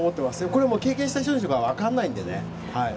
これは経験した人しか分からないのでね。